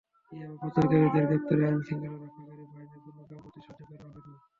ইয়াবা পাচারকারীদের গ্রেপ্তারে আইনশৃঙ্খলা রক্ষাকারী বাহিনীর কোনো গাফিলতি সহ্য করা হবে না।